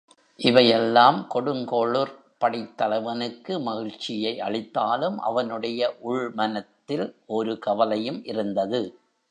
இவை எல்லாம் கொடுங்கோளுர்ப் படைத் தலைவனுக்கு மகிழ்ச்சியை அளித்தாலும் அவனுடைய உள் மனத்தில் ஒரு கவலையும் இருந்தது.